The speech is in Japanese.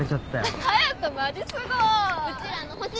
隼人マジすごい。